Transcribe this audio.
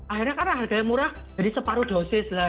akhirnya karena harganya murah jadi separuh dosis lah